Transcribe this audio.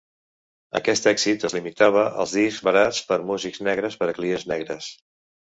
Aquest èxit es limitava als discs barats per músics negres per a clients negres.